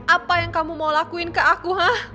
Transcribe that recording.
apa yang kamu mau lakuin ke aku